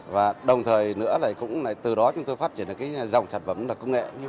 và đồng thời nữa là cũng từ đó chúng tôi phát triển một dòng sản phẩm công nghệ